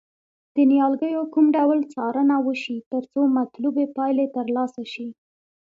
د نیالګیو کوم ډول څارنه وشي ترڅو مطلوبې پایلې ترلاسه شي.